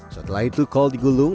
setelah itu kol digulung